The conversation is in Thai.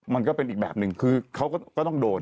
มันก็เป็นอีกแบบหนึ่งคือเขาก็ต้องโดน